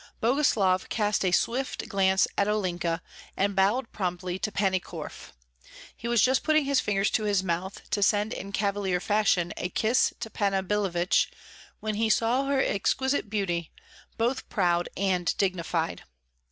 Boguslav cast a swift glance at Olenka, and bowed promptly to Pani Korf; he was just putting his fingers to his mouth, to send in cavalier fashion a kiss to Panna Billevich, when he saw her exquisite beauty, both proud and dignified.